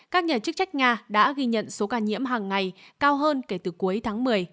các nhà chức trách nga đã ghi nhận số ca nhiễm hàng ngày cao hơn kể từ cuối tháng một mươi